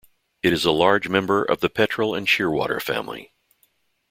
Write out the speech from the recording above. It is a large member of the petrel and shearwater family.